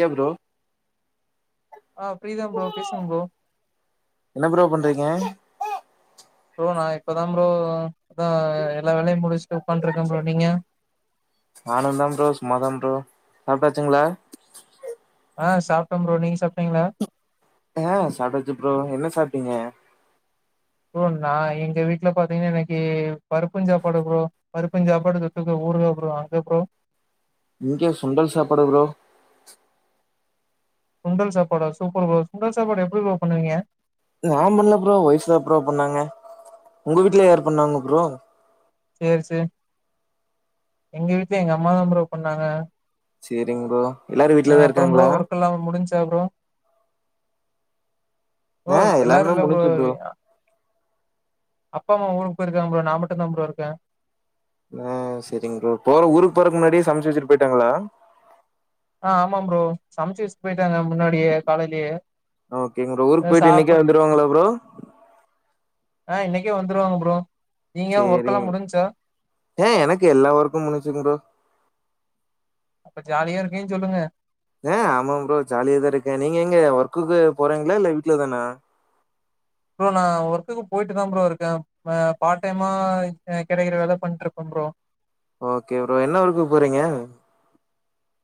யா bro ஆ ஃப்ரீதாம் bro பேசுங்க ப்ரோ என்ன ப்ரோ பண்றீங்க ப்ரோ நான் இப்பதான் ப்ரோ இப்பதா எல்லா வேலையும் முடிச்சுட்டு உக்காண்டு இருக்கேன் ப்ரோ நீங்க நானும் தா ப்ரோ சும்மாத ப்ரோ சாப்ட்டாச்சுங்களா ஆ சாப்டம் ப்ரோ நீங்க சாப்ட்டீங்களா ஆ சாப்டாச்சு ப்ரோ என்ன சாப்ட்டீங்க ப்ரோ நான் எங்க வீட்ல பாத்தீங்கன்னா இன்னைக்கு பருப்புஞ் சாப்பாடு ப்ரோ பருப்புஞ் சாப்பாடு தொட்டுக்க ஊருக்கா அங்க ப்ரோ இங்க சுண்டல் சாப்பாடு ப்ரோ சுண்டல் சாப்பாடா சூப்பர் ப்ரோ சுண்டல் சாப்பாடு எப்படி ப்ரோ பண்ணுவீங்க நான் பண்ணல ப்ரோ ஒய்ஃப் தான் பரோ பண்ணாங்க உங்க வீட்ல யார் பண்ணாங்க ப்ரோ சேரி சே எங்க வீட்ல எங்க அம்மாதான் ப்ரோ பன்னாங்க சேரிங்க ப்ரோ எல்லாரும் வீட்லதான் ப்ரோ இருக்காங்களா ஒர்க் எல்லா முடிஞ்ச்சா ப்ரோ ப்ரோ ஆ எல்லாரு எல்லாருாமே இல்ல முடிஞ்சு ப்ரோ அப்பா அம்மா ஊருக்கு போயிருக்காங்க ப்ரோ நான் மட்டும்தான் ப்ரோ இருக்கேன் ஆ சரிங்க ப்ரோ போற ஊருக்கு போறக்கு முன்னாடியே சமைச்சு வச்சுட்டு போயிட்டாங்களா ஆ ஆமாம் ப்ரோ சமச்சு வெச்சு போய்ட் ஆ ஓகே ப்ரோ ஊருக்கு போயிட்டு சாப்புட் இன்னைக்கே வந்துருவாங்களா ப்ரோ ஆ இன்னைக்கே வந்துருவாங்க ப்ரோ நீங்க ஒர்க்கெல்லா சேரிங் முடிஞ்ச்சா ஏ எனக்கு எல்லா வொர்க்கும் முடிஞ்சு ப்ரோ அப்ப ஜாலியா இருக்கேன்னு சொல்லுங்க ஆ ஆமா ப்ரோ ஜாலியதான் இருக்கேன் நீங்க எங்க ஒர்க்குக்கு போறீங்களா இல்ல வீட்லதானா ப்ரோ நான் ஒர்க்குக்கு போயிட்டு தான் ப்ரோ இருக்கேன் பார்ட் டைமா கிடைக்கிற வேலைய பண்ட்டு இருப்பேன் ப்ரோ ஓகே ப்ரோ என்ன ஒர்க்குக் போறீங்க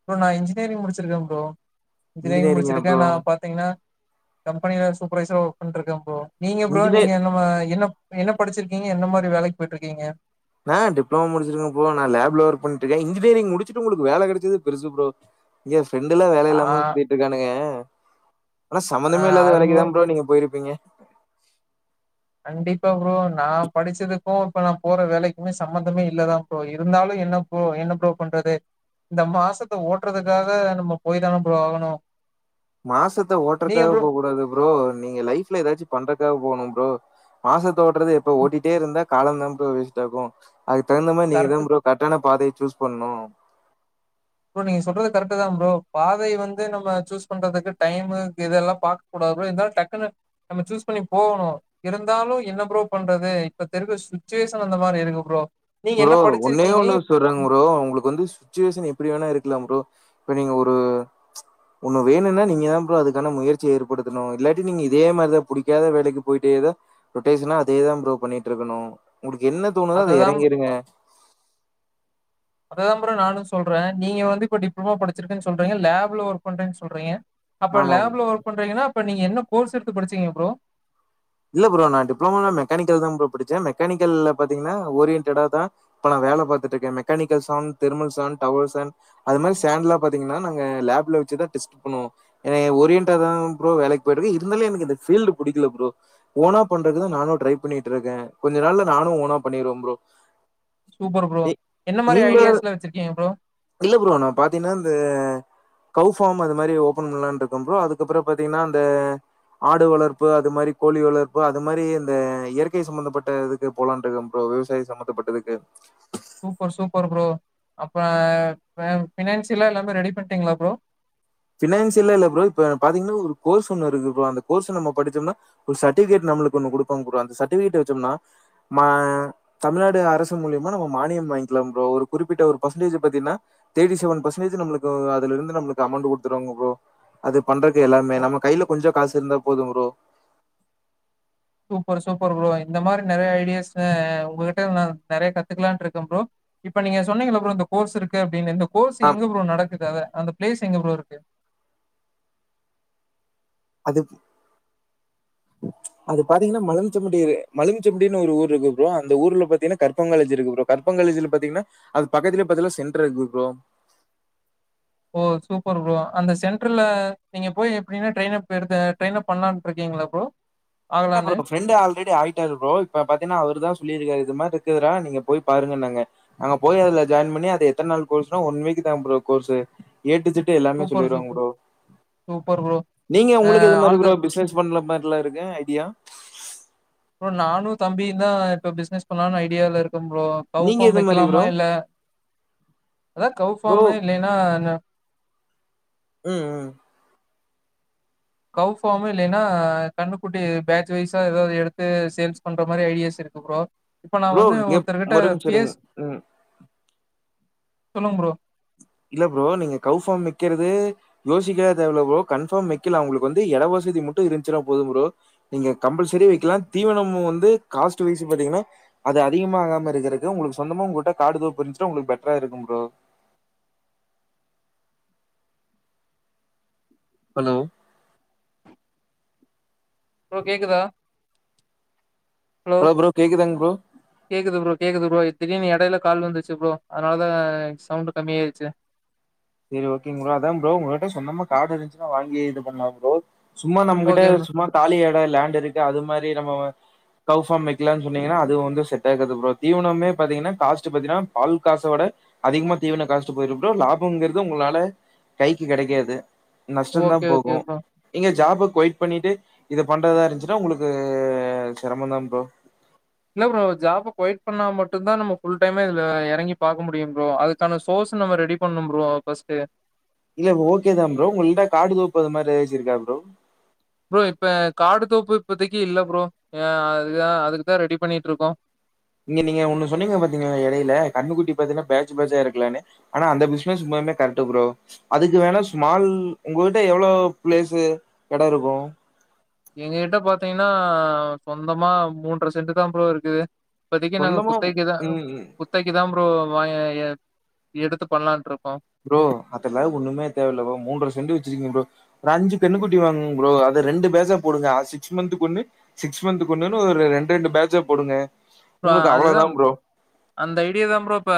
ப்ரோ நான் இன்ஜினியரி்ங் முடிச்சிருக்கேன் ப்ரோ இன்ஜினியரிங் இன்ஜினியரிங்கா முடிச்சிருக்கேன் ப்ரோ நான் பாத்தீங்கன்னா கம்பெனியில சூப்பர்வைசர்ரா‌ ஒர்க் பண்ட்ருக்கேன் ப்ரோ நீங்க ப்ரோ நீங்க இன்ஜினியர் நம்ம என்ன நீங்க என்ன படிச்சிருக்கீங்க என்ன மாரி வேலைக்கு போயிட்டுருக்கீங்க நான் டிப்ளமோ முடிச்சிருக்கேன் ப்ரோ நான் லேப்ல ஒர்க் பண்ணிட்டு இருக்கன் இன்ஜினியரிங் முடிச்சட்டு உங்களுக்கு வேலை கிடைச்சது பெருசு ப்ரோ இங்க ஃப்ரெண்டுல்லாம் வேலை ஆ இல்லாமாதா சுத்திட்டு இருக்கானுங்க ஆனா ஆ சமமந்தமே இல்லாத அது வேலைக்கு தான் ப்ரோ நீங்க போயிருப்பீங்க [inaudible] இ இப்ப நான் போற வேலைக்குமே சம்பந்தமே இல்லதான் ப்ரோ இருந்தாலும் என்ன ப்ரோ என்ன ப்ரோ பண்றது இந்த மாசத்தை ஓட்டுறதுக்காக நம்ம போய் தான ப்ரோ ஆகணும் மாசத்தை ஓட்டுறக்காக போக கூடாது ப்ரோ நீங்க லைஃப்ல ஏதாச்சும் பண்றக்காக போகணும் ப்ரோ மாசத் ஓட்றது இப்ப ஓட்டிட்டே இருந்தா காலம் தா ப்ரோ வேஸ்ட்டாகோ அதுக்கு தகுந்த மாரி நீங்க தா கரெக்ட் ப்ரோ கரெக்ட்டான பாதை சூஸ் பண்ணோ ப்ரோ நீங்க சொல்றது கரெக்ட் தா ப்ரோ பாதை வந்து நம்ம சூஸ் பண்றதுக்கு டைமு இததுெல்லா பாக்க கூடாது ப்ரோ இருாலு டக்குன்னு நம்ம சூஸ் பண்ணி போகணு இருந்தாலு என்ன ப்ரோ பண்றது இப்ப தெரியிற சுச்சுவேஷன் அந்த மாரி இருக்கு ப்ரோ நீங்க என்ன பு்ரோ ஒன்னே படிச்சிருக்கீங்க? ஒண்ணு நீங்க சொல்றாங் பு்ரோ உங்களுக்கு வந்து சுச்சுவேஷன் எப்டி வேணா இருக்கலாம் ப்ரோ இப்ப நீங்க ஒரு ஒன்னு வேணும்னா நீங்கதா ப்ரோ அதுக்கான முயற்சிய ஏற்படுத்தணு இல்லாட்டி நீங்க இதே மாரிதா புடிக்காத வேலைக்கு போயிட்டேதா ரொட்டேஷனா அதேதா ப்ரோ பண்ணிட்டு இருக்கணு உங்களுக்கு என்ன தோணுதோ அத அததான் இறங்கிய அததா ப்ரோ நானு சொல்றே நீங்க வந்து இப்போ டிப்ளமா பச்சிருக்கன்னு சொல்றீங்க லேப்ல ஒர்க் பண்றேன்னு சொல்றீங்க அப்ப ஆமா ப்ரோ. லேப்ல ஒர்க் பண்றீங்கன்னா இப்ப நீங்க என்ன கோர்ஸ் எடுத்து படிச்சீங்க ப்ரோ இல்ல ப்ரோ நா டிப்ளமோலாயில்ல மெக்கானிக்கல் தா ப்ரோ படிச்சே மெக்கானிக்கல்ல பாத்தீங்கன்னா ஓரியன்டடா தா இப்ப நா வேல பாத்துட்டுடிருக்கே mechanical sound thermal sound tower சண்ட் அ மாதிரி சண்ட்லா பாத்தீங்கன்னா நாங்க லேப்ல வெச்சுதா டெஸ்ட்டு பண்ணுவோ என ஓரியன்டா தா ப்ரோ வேலைக்கு போயிட்டிருகே இருந்தாலு எனக்கு இந்த பீல்டு புடிக்கல ப்ரோ ஓனா பண்றதுக்குதா நானு ட்ரை பண்ணிட்டு இருக்கே கொஞ்ச நாள்ல நானும் ஓனா பண்ணிருவே ப்ரோ சூப்பர் ப்ரோ. நீ என்ன மாரி நீங்ளே ஐடியாஸ்லாம் வச்சிருக்கீங்க ப்ரோ? இல்ல ப்ரோ நா பாத்தீங்கன்னா இந்த கவ் ஃபார்ம் அது மாரி ஓபன் பண்ணலான்னுடிருக்கே ப்ரோ அதுக்கப்புறோ பாத்தீங்கன்னா அந்த ஆடு வளப்புது அது மாரி கோழி வளர்ப்பு அது மாரி இந்த இயற்கை சம்பந்தப்பட்ட இதுக்கு போலான் இருக்க ப்ரோ விவசாயம் சம்பந்தப்பட்டதுக்கு சூப்பர் சூப்பர் ப்ரோ அப்ப பினான்சியல்லா எல்லாமே ரெடி பண்ணிட்டீங்களா ப்ரோ ஃபினான்ஷியலா இல்ல ப்ரோ இப்ப பாத்தீங்கன்னா ஒரு கோர்ஸ் ஒன்னு இருக்கு ப்ரோ அந்த கோர்ஸ் நம்ம படிச்சோம்னா ஒரு சர்டிஃபிகேட் நம்லுக்கு ஒன்னு குடுப்பாங்க ப்ரோ அந்த சர்டிஃபிகேட் வெச்சோம்னா மா தமிழ்நாடு அரசு மூலியமா நம்ம மானியம் வாங்கிலாம் ப்ரோ ஒரு குறிப்பிட்ட ஒரு பர்சன்டேஜ் பாத்திங்கன்னா தர்டிசெவன் பர்சன்டேஜ் அதுல இருந்து நம்மலுக்கு அமௌன்ட் குடு குடுத்துருவாங்க ப்ரோ அது பண்றது எல்லா நம்ம கையில கொஞ்சோ காசு இருந்தா போதும் ப்ரோ சூப்பர் சூப்பர் ப்ரோ இந்த மாரி நெறைய ஐடியாஸ் உங்ககிட்டா நா நெறைய கத்துக்கலான்டிருக்கே ப்ரோ இப்ப நீங்க சொன்னீங்கல்ல ப்ரோ இந்த கோர்ஸ் இருக்கு அப்டின்னு கோர்ஸ் எங்க ப்ரோ நடக்குது அந்த ப்ளேஸ் எங்க ப்ரோ இருக்கு அதுக்கு அது பாத்தீங்கன்னா மலஞ்செம்படி மலஞ்செம்படின்னு ஒரு ஊர் இருக்கு ப்ரோ அந்த ஊர்ல பாத்தீங்கன்னா கர்பங்காலஜி இருக்கு ப்ரே கர்பங்காலேஜில பாத்தீங்கன்னா அது பக்கத்துலேயே பத்தீங்னா சென்டர் இருக்கு ப்ரோ ஓ சூப்பர் ப்ரோ அந்த சென்டர்ல நீங்க போய் எப்டின்ன ட்ரெய்ன் அப் எடுத்து ட்ரெயினப் பண்ணலான்னு இருக்கீங்களா ப்ரோ இல்ல ஆகலான்னு. ப்ரோ ப்ரெண்டு ஆல்ரெடி ஆகிட்டாரு ப்ரோ இப்ப பாத்தீன்னா அவரு தா சொல்லியிருக்காரு இது மாரி இக்குதுடா நீங்க போய் பாருங்கனாங்க நாங்க போய் அதுல ஜாயின் பண்ணி அது எத்தன் நாள் கோர்ஸ்னா அது ஒன் வீக் தா bro course A to Z எல்லாமே சூப்பர் சொல்லிருவாங்க சூப்பர். Bro super bro. நீங்க அ உங்களுக்கு எது மாரி ஆல் த ப்ரோ பிசினஸ் பண்ற மாரி உல்ல இருக்கே யா நானு தம்பியு தா இப்ப பிஸ்னஸ் பண்ணாம்னு ஐடியால இருக்கோ இருக்கோ ப்றோ கவ் நீங்க பார்ம் இது மாதிரி வெக்கிலாமா ப்ரோ இல்ல அத்தா கவ் ப்ரோ பார்ம் இல்லனா உம் உம் கவ் ஃபார்ம் இல்லனா கண்ணுக்குட்டி பேட்ச் வைஸா ஏதாவது எடுத்து சேல்ஸ் பண்ற மாரி ஐடியாஸ் இருக்கு ப்ரோ இப்ப நான் ப்ரோ வந்து இங்கப் ஒருத்தர்கிட்ட ஒரு நிம்ஷோ இருங்க பேஸ் உம் ம் சொல்லுங்க ப்ரோ இல்ல ப்ரோ நீங்க கவ்ஃபார்ம் வெக்கறது யோசிக்கல்லா தேவயில்ல ப்ரோ கன்ஃபார்ம் வெக்கீலா உங்களுக்கு வந்து எடவசதி மட்டு இருந்துச்சினா போதும் ப்ரோ நீங்க கம்பல்சரி வெக்கிலா தீவனமு வந்து காஸ்ட் வைஸ்னு பாத்தீங்கன்னா அது அதிகமா ஆகாமயிரக்கறக்கு உங்களுக்கு சொந்தமா உங்ககிட்ட காடு தோப்பு இருந்துச்சினா உங்களுக்கு பெட்டரா இருக்கும் ப்ரோ ஹலோ ப்ரோ கேக்குதா ஹலோ ப்ரோ கேக்குதாங்க ப்ரோ கேக்குது ப்ரோ கேக்குது ப்ரோ திடீனு எடையில கால் வந்துச்சு ப்ரோ அதனாலத சவுண்டு கம்மியாய்ர்ச்சு சேரி ஓகேங் ப்ரோ அதா ப்ரோ உங்ககிட்ட சொந்தமா கார்டு இருந்துச்சுனா வாங்கி இது பண்ணலா ப்ரோ சும்மா நம்மகிட்ட ஓகே ப்ரோ சும்மா தாலி எட லேண்டிருக்கு அது மாரி நம்ம வ கவ் ஃபார்ம் வைக்கலாம்னு சொன்னிங்கனா அது வந்து செட் ஆகாது ப்ரோ தீவனமே பாத்திங்கனா காஸ்ட்டு பாத்தினா பால் காசவிட அதிகமா தீவன காஸ்டு போயிடு ப்ரோ ல பம்ங்கறது உங்களால கைக்கு கெடைக்காது நஷ்டந்தா ஓகே ஓகே போகும் ப்ரோ நீங்க ஜாபுக் கொய்ட் பண்ணிட்டு இத பண்றதா இருந்துச்சுன்னா உங்களுக்கு செரமந்தா ப்ரோ என்ன ப்ரோ ஜாப கொயிட் பண்ணா மட்டு தா நம்ம ஃபுல் டைமா இதுல இறங்கி பாக்க முடியு ப்ரோ அதுக்கான சோர்ஸ் நம்ம ரெடி பண்ணு ப்ரோ ஃபர்ஸ்ட்டு இல்ல ஓகேதா ப்ரோ உங்களிட்ட காடு தோப்பு அது மாரி ஏதாச்சி இருக்கா ப்ரோ ப்ரோ இப்ப காடு தோப்பு இப்பத்திக்கு இல்ல ப்ரோ ஏ அதா அதுக்குதா ரெடி பண்ணிக்கிட்ருக்கோ இங்க நீங்க ஒன்னு சொன்னீங்க பாத்தீங்களா எடையில கன்னுக்குட்டி பாத்தீன்னா பேஜ் பேஜா ஏறகலானு ஆனா அந்த பிசினஸ் உண்மையாவுமே கரெக்ட் ப்ரோ அதுக்கு வேணா ஸ்மால் உங்ககிட்ட எவ்ளோ ப்ளேசு எடோ இருக்கு எங்க கிட்ட பாத்தீங்கன்னா சொந்தமா மூன்றரை சென்ட் தா ப்ரோ இருக்குது இப்பத்திக்கு நாங்க சொந்தமா குத்தவிக்குதா ம் ம் குத்தவிக்கு தா ப் ரோ வய எ எடுத்து பண்ணலா இருக் ப்ரோ அதெல்லா ஒண்ணுமே தேவ இல்ல ப்ரோ மூன்றரை செண்டு வச்சிருக்கீங்க ப்ரோ ஒரு அஞ்சு கண்ணுட்டி வாங்குங்க ப்ரோ அத ரெண்டு பேட்ச்சா போடுங்க அ சிக்ஸ் மந்துக்கு ஒன்னு சிக்ஸ் மந்துக்கு ஒன்னுன்னு ஒரு ரெண்டு ரெண்டு பேட்ச்சா போடுங்க ப உங்களுக்கு அதுதா அவ்ளோதா ப்ரோ அந்த ஐடியா தா ப்ரோ இப்ப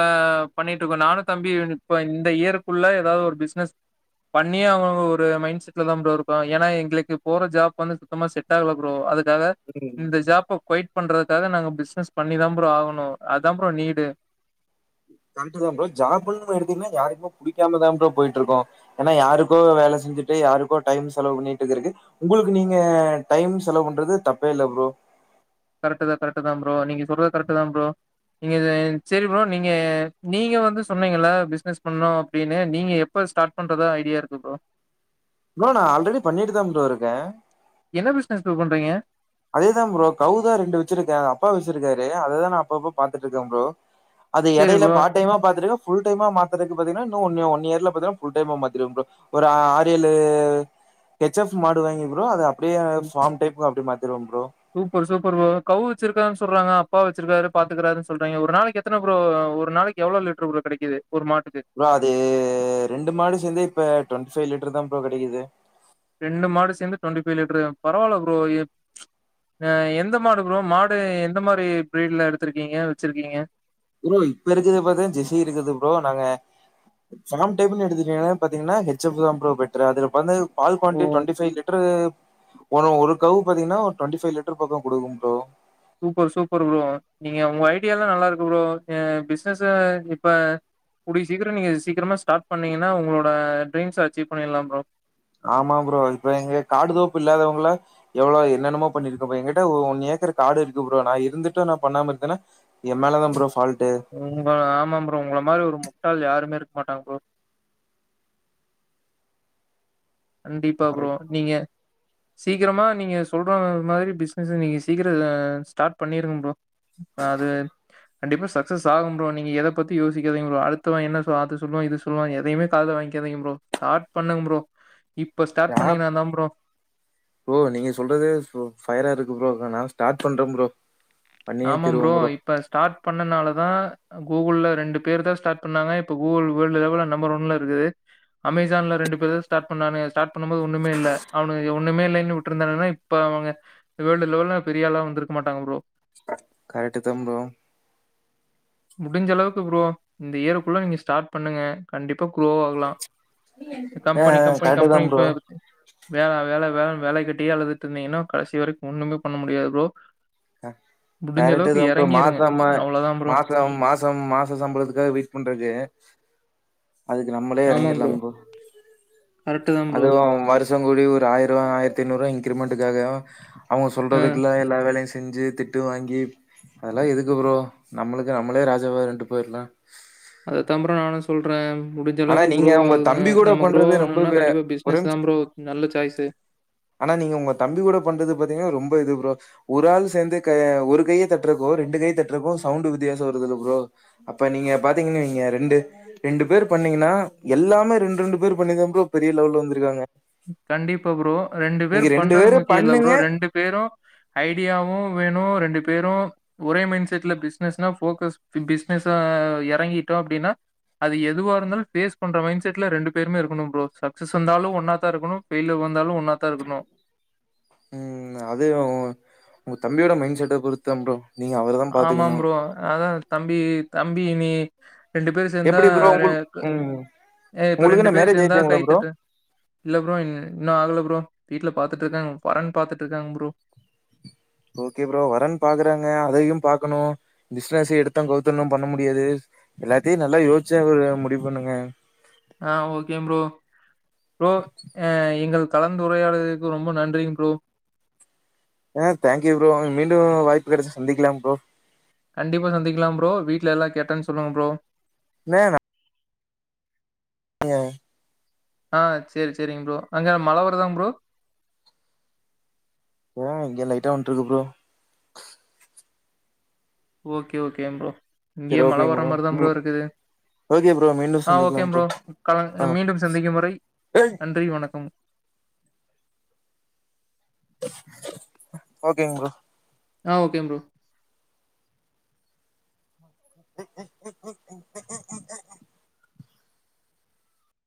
பண்ணிட்டுருக்கோ நானு தம்பியு இப்ப இந்த இயருக்குள்ள ஏதாது ஒரு பிசினஸ் பண்ணியே ஆகனும்னு ஒரு மைண்ட் செட்ல தா ப்ரோ இருக்கோ ஏன்னா எங்களுக்கு போற ஜாப் வந்து சுத்தமாக செட் ஆகல ப்ரோ அதுக் காக ம் இந்த ஜாப்ப கொய்ட் பண்றதுக்காக நாங்க பிசினஸ் பண்ணிதா ப்ரோ ஆகணு அதா ப்ரோ நீடு கரெட்டு தா ப்ரோ ஜாப்புனு எடுத்தீங்கன்னா யார்க்குமே புடிக்காம தா ப்ரோ போயிட்ருக்கோ ஏன்னா யாருக்கோ வேல செஞ்சுட்டு யாருக்கோ டைம் செலவு பண்ணிட்டுகிறக்கு உங்களுக்கு நீங்க டைம் செலவு பண்றது தப்பே இல்ல ப்ரோ கரெட்டுதா கரெட்டுதா ப்ரோ நீங்க சொல்றத கரெட்டுதா ப்ரோ நீங்க செரி ப்ரோ நீங்க நீங்க வந்து சொன்னீங்கல பிசினஸ் பண்ணு அப்டின்னு நீங்க எப்ப ஸ்டார்ட் பண்றதா ஐடியா இருக்கு ப்ரோ ப்ரோ நா ஆல்ரெடி பண்ணிட்டு தா ப்ரோ இருக்கே என்ன பிஸ்னஸ் ப்ரோ பண்றீங்க அதே தா ப்ரோ கௌ தா ரெண்டு வெச்சிருக்கே அப்பா வெச்சிருக்காரு அத தா நா அப்பப்ப பாத்துட்ருக்கே ப்ரோ அது சரி எடைல ப்ரோ. பார்டைமா பாத்துட்ருக்கே ஃபுல் டைமா மாத்தறக்கு பாத்திங்கனா இன்னு ஒன்னே ஒன் இயர்ல பாத்தனா ஃபுல்டைமா மாத்திருவே ப்ரோ ஒரு ஆறு ஏழு ஹெச் எஃப் மாடு வாங்கி ப்ரோ அத அப்டியே ஃபார்ம் டைப்ல அப்டி மாத் [unintelligible] சூப்பர் சூப்பர் ப்ரோ கௌ வெச்சிருக்கா சொல்றாங்க அப்பா வெச்சிருக்காரு பாத்துக்கறாருனு சொல்றாய்ங்க ஒரு நாளைக்கு எத்தன ப்ரோ ஒரு நாளைக்கு எவ்ளோ லிட்டர் ப்ரோ கெடைக்குது ப்ரோ அது ரெண்டு மாடு சேந்து இப்ப ட்வண்ட்டி ஃபை லிட்டர் தா ப்ரோ கெடைக்குது ரெண்டு மாடு சேந்து ட்வெண்ட்டி ஃபை லிட்டரு பரவால்ல ப்ரோ [unintelligible] அ எந்த மாடு ப்ரோ மாடு எந்த மாரி ப்ரீட்ல எடுத்திருக்கீங்க வெச்சிருக்கீங்க ப்ரோ இப்ப இருக்கற்து பாத்தினா ஜெசி இருக்குது ப்ரோ நாங்க ஃபாம் டைப்னு எடுத்துட்டீங்கனா பாத்தீங்கன்னா ஹெச் எஃபு தா ப்ரோ பெட்டரு அதுல [unintelligible] பால் குவான்டி ஓ! ட்வெண்ட்டி ஃபை லிட்ரு ஒரு ஒரு கவ் பாத்தீங்கனா ஒரு ட்வெண்டிஃபை லிட்டர் பக்க குடுக்கு ப்ரோ சூப்பர் சூப்பரு ப்ரோ நீங்க உங்க ஐடியாலா நல்லா இருக்கு ப்ரோ எ பிஸ்னஸ இப்ப கூடிய சீக்கிர நீங்க சீக்கிரமா ஸ்டார்ட் பண்ணீங்கனா உங்களோட ட்ரீம்ஸ அச்சீவ் பண்ணிற்லா ப்ரோ ஆமா ப்ரோ இப்ப எங்க காடு தோப்பு இல்லாதவ்ங்களா எவ்ளோ என்னென்னமோ பண்ணிருக்கபோ எ கிட்ட ஒ ஒன் ஏக்கரு காடு இருக்கு ப்ரோ நா இருந்துட்டு நா பண்ணாம இருக்கேனா எம்மேலதா ப்ரோ ஃபால்ட் உங்க ஆமா ப்ரோ உங்கள மாரி மு ட்டாள் யாருமே இருக்க மாட்டாங்க ப்ரோ கண்டிப்பா ப்ரோ கரெக்டா நீங்க சீக்கிரமா நீங்க சொல்ற மாதிரி பிஸ்னஸ நீங்க சீக்கிர ல ஸ்டார்ட் பண்ணிருங்க ப்ரோ அது கண்டிப்பா சக்ஸஸ் ஆகும் ப்ரோ நீங்க எத பத்தி யோசிக்காதீங்க ப்ரோ அடுத்தவ என்ன சொ அது சொல்லுவா இது சொல்லுவா எதையுமே காதுல வாங்கிக்காதீங்க ப்ரோ ஸ்டார்ட் பண்ணுங்க ப்ரோ இப்ப ஸ்டார்ட் யாப் பண்ணீங்கன்னா தான் ப்ரோ ப்ரோ நீங்க சொல்றதே ஃபு ஃபயரா இருக் ம் ப்ரோ நா நா ஸ்டார்ட் பண்ற ப்ரோ பண்ணியே ஆமா திருவ ப்ரோ இப்ப ஸ்டார்ட் பண்ணனாலதா அ கூகுள்ல ரெண்டு பேர்தா ஸ்டார்ட் பண்ணாங்க இப்ப கூகுள் வேர்ல்டு லெவல்ல நம்பர் ஒன்ல இருக்கு அமேசான்ல ரெண்டு பேர்தா ஸ்டார்ட் பண்ணானுங்க ஸார்ட் பண்ணும்போது ஒன்னுமே இல்ல அவனுங்க ஏ ஒன்னுமே இல்லைனு விட்ருந்தானுங்கனா இப்ப அவங்க வேர்ல்டு லெவல்ல பெரிய ஆளா வந்துருக்க மாட்டாங்க ப்ரோ கரெட்டுத்தா ப்ரோ முடிஞ்சளவுக்கு ப்ரோ இந்த இயருக்குள்ள நீங்க ஸ்டார்ட் பண்ணுங்க கண்டிப்பா க்ரோ ஆகலா ஆ கம்பெனி கம்பெனி கரெக்ட் தா கம்பெனி இப்ப ப்ரோ வேலா வேல லா வேலைய கட்டியே அழுதுட்டு இருந்தீங்கனா கடைசி வரைக்கு ஒன்னுமே பண்ண முடியாது ப்ரோ முடிஞ்ச அளவுக்கு கரெட்டுதா ப்ரோ இறங்கிருங்க. மாசம அவ்வளோதான் ப்ரோ. மாச மாசம் மாச சம்பளதுக்காக வெயிட் பண்றது அதுக்கு நம்மளே எறங்கிற்லா ப்ரோ கரெட்டுதா ப்ரோ சங்குள்ளயு ஒரு ஆயர்வா ஆயர்த்தைந்நூறுவா இன்கிரிமென்ட்க்காக அவ்ங்க ஆ. சொல்றதுக்குல எல்லா வேலயு செ செஞ்சு திட்டு வாங்கி அதெல்லா எதுக்கு ப்ரோ நம்மளுக்கு நம்மளே ராஜவ இருந்ட்டு போயிற்லா அதத்தான் ப்ரோ [unintelligible] ஆனா குரோ நீங்க உங்க ஆகுங்க. தம்பி கூட நம்ம குரோ பண்றது ஆகணும்னா ரொம்பவே கண்டிப்பா ஒரே பிசினஸ் நிம்ஷ தான் ப்ரோ நல்ல சாய்ஸு. ஆனா நீங்க உங்க தம்பி கூட பண்றது பாத்தீங்கனா ரொம் இப்ப இது ப்ரோ ஒரு ஆளு சேந்து க ஒரு கைய தாட்றக்கு ரெண்டு கை தட்றக்கு சவுண்டு வித்தியாச வருதுல ப்ரோ அப்ப நீங்க பாத்தீங்கனு வைங்க நீங்க ரெண்டு ரெண்டு பேர் பண்ணீங்கனா எல்லாமே ரெண்டு ரெண்டு பேர் பண்ணிதா ப்ரோ பெரிய லெவல்ல வந்துருக்காங்க கண்டிப்பா ப்ரோ ரெண்டு பேர் பண்றது பேரும் முக்கிய இல்ல ப்ரோ பண்ணுங்க. ரெண்டு பேரு ஐடியாவு வேணு ரெண்டு பேரு ஒரே மைண்ட்செட்ல பிஸ்னஸ்னா ஃபோகஸ் ஃபின் பிஸ்னஸ்சா எறங்கிட்டோ அப்டினா அது எதுவா இருந்தாலு ஃபேஸ் பண்ற மைண்ட்செட்ல ரெண்டு பேருமே இருக்கனு ப்ரோ சக்சஸ் வந்தாலு ஒன்னா தா இருக்கணு ஃபெய்லியர் வந்தாலு ஒன்னாத்தா இருக்கணு உம் அது ஒ ஒங்க தம்பியோட மைண்ட்செட்ட பொறுத்தா ப்ரோ நீங்க அவரதா ஆமா பாத்துக்கணு ப்ரோ அதா தம்பி தம்பி நீ ரெண்டு பேரு சேந்தா எப்டி ப்ரோ உங்கள் ரேக்கு ம் ஏ இப்ப உங்களுக்கு ரெண்டு என்ன பேரு மேரேஜ் சேந்தா ஆயிடுச்சுங்களா ப்ரோ கைத்தட்டு இல்ல ப்ரோ இல் இன்னு ஆகல ப்ரோ வீட்லப் பாத்துட்டுருக்காங்க வரன் பாத்துட்டுருக்காங்க ப்ரோ ஓகே ப்ரோ வரன் பாக்குறாங்க அதையு பாக்கணு பிசினஸ் எடுத்தோ கவுத்தோனு நம்ம பண்ண முடியாது எல்லாத்தையு நல்லா யோசிச்ச ஒரு முடிவு பண்ணுங்க ஆஹ் ஓகேங் ப்ரோ ப்ரோ அ எங்கள் கலந்துரையாடுறத்துக்கு ரொம்ப நன்றிங்க ப்ரோ ஆஹ் தேங்க்யூ ப்ரோ மீண்டும் வாய்ப்பு கெடைச்ச சந்திக்கலாம் ப்ரோ கண்டிப்பா சந்திக்கலாம் ப்ரோ வீட்ல எல்லா கேட்டேன்னு சொல்லுங்க ப்ரோ வேணா ஆஹ ஆஹ் செரி செரிங்க ப்ரோ அங்க மழ வருதாங் ப்ரோ ஏ இங்க லைட்டா வந்ட்டுருக்கு ப்ரோ ஓகே ஓகேங்க ப்ரோ இங்கேயு சரி மழ ஓகேங்க வரற மாதிரிதா ப்ரோ ம். இருக்குது ஓகே ப்ரோ மீண்டு ஆஹ் சந்திக்கலா ஓகே ப்ரோ கல ஆ மீண்டும் சந்திக்கும் முறை ஏய் நன்றி வணக்கம் ஓகேங் ப்ரோ ஆஹ் ஓகே ப்ரோ உஹும் உஹும் ம் உஹும்